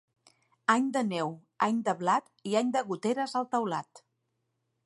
Any de neu, any de blat i any de goteres al teulat.